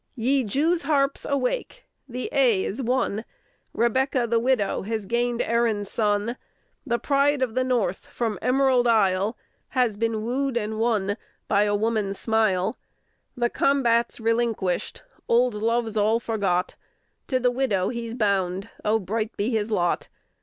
] Ye Jew's harps awake! The A s won: Rebecca the widow has gained Erin's son; The pride of the North from Emerald Isle Has been wooed and won by a woman's smile. The combat's relinquished, old loves all forgot: To the widow he's bound. Oh, bright be his lot!